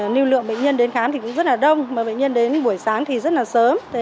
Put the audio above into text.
nưu lượng bệnh nhân đến khám cũng rất đông bệnh nhân đến buổi sáng rất sớm